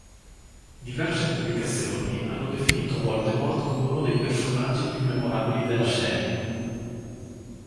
Diverse pubblicazioni hanno definito Voldemort come uno dei personaggi più memorabili della serie.